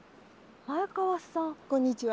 こんにちは。